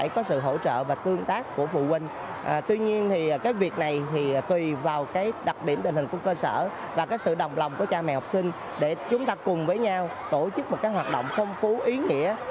có sự hỗ trợ cho con em phụ huynh được tốt hơn